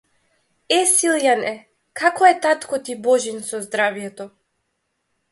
Е, Силјане, како е татко ти Божин со здравјето?